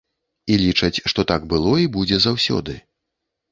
І лічаць, што так было і будзе заўсёды.